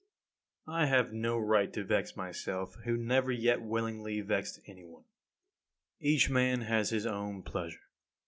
42. I have no right to vex myself who never yet willingly vexed any one. 43. Each man has his own pleasure.